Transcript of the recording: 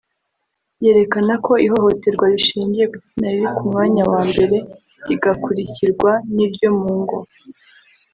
yerekana ko ihohoterwa rishingiye ku gitsina riri ku mwanya wa mbere rigakurikirwa n’iryo mu ngo